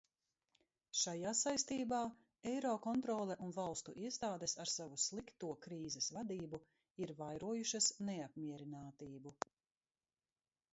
Šajā saistībā Eirokontrole un valstu iestādes ar savu slikto krīzes vadību ir vairojušas neapmierinātību.